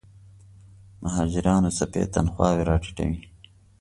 مهاجرانو څپې تنخواوې راټیټوي.